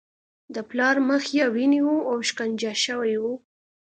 د پلار مخ یې وینې و او شکنجه شوی و